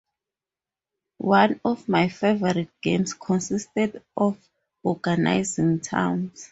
One of my favorite games consisted of organizing towns.